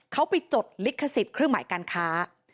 เขาไปจดลิขสิทธิ์เครื่องหมายการค้า